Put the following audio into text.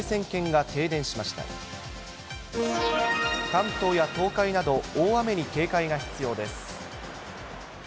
関東や東海など大雨に警戒が必要です。